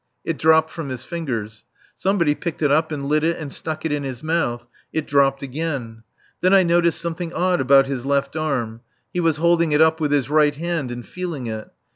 It dropped from his fingers. Somebody picked it up and lit it and stuck it in his mouth; it dropped again. Then I noticed something odd about his left arm; he was holding it up with his right hand and feeling it.